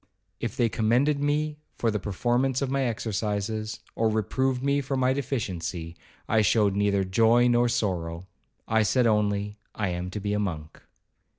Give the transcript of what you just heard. If they commended me for the performance of my exercises, or reproved me for my deficiency, I showed neither joy nor sorrow,—I said only, 'I am to be a monk.'